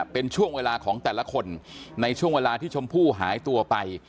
เป็นช่วงเวลาของแต่ละคนในช่วงเวลาที่ชมพู่หายตัวไป